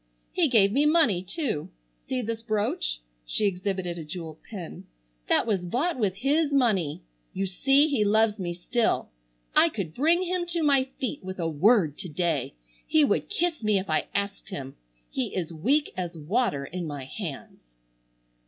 He gave me money too. See this brooch?"—she exhibited a jeweled pin—"that was bought with his money. You see he loves me still. I could bring him to my feet with a word to day. He would kiss me if I asked him. He is weak as water in my hands."